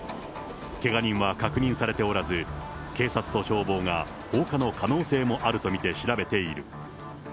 けが人は確認されておらず、警察と消防が放火の可能性もあると見て調べている。